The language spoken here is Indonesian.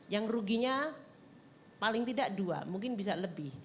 yang ruginya paling tidak dua mungkin bisa lebih